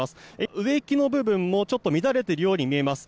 植木の部分もちょっと乱れているように見えます。